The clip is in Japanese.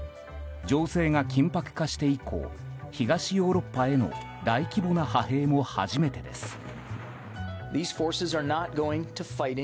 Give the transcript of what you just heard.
情勢が緊迫化して以降東ヨーロッパへの大規模な派兵も初めてです。